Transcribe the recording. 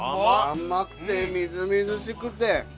甘くてみずみずしくて！